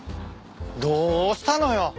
どうしたのよ？